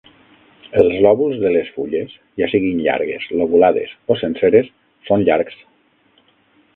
Els lòbuls de les fulles, ja siguin llargues, lobulades o senceres, són llargs.